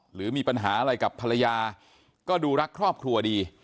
หรือมีปัญหาอะไรกับภรรยาก็ดูรักครอบครัวดี